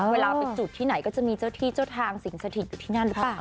เวลาไปจุดที่ไหนก็จะมีเจ้าที่เจ้าทางสิ่งสถิตอยู่ที่นั่นหรือเปล่า